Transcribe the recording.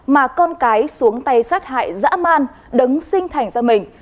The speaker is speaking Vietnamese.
mà con cái xuống tay sát hại dã man đứng sinh thành ra mình